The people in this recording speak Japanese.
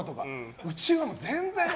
うちは全然。